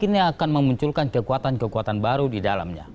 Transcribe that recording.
ini akan memunculkan kekuatan kekuatan baru di dalamnya